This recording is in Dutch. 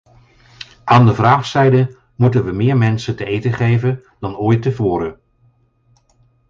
Aan de vraagzijde moeten we meer mensen te eten geven dan ooit tevoren.